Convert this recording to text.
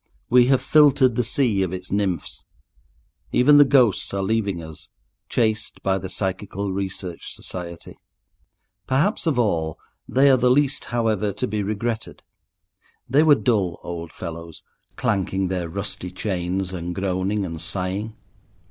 We have filtered the sea of its nymphs. Even the ghosts are leaving us, chased by the Psychical Research Society. Perhaps of all, they are the least, however, to be regretted. They were dull old fellows, clanking their rusty chains and groaning and sighing.